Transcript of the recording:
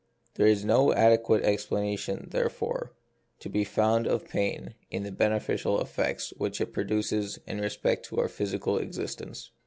There is no adequate explanation, therefore, to be found of pain in the beneficial effects which it produces in respect to our physical existence.